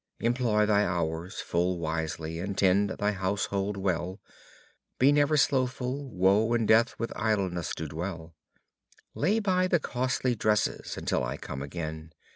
Employ thy hours full wisely, and tend thy household well, Be never slothful, woe and death with idleness do dwell. Lay by thy costly dresses until I come again.